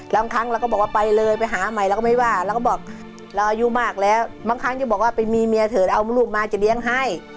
บางครั้งเราก็บอกว่าไปเลยไปหาใหม่เราก็ไม่ว่าเราก็บอกเราอายุมากแล้วบางครั้งจะบอกว่าไปมีเมียเถอะเอาลูกมาจะเลี้ยงให้